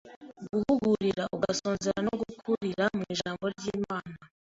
guhugurira gusonzera no gukurira mu Ijambo ry'Imana